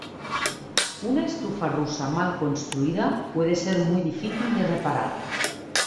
Una estufa rusa mal construida puede ser muy difícil de reparar.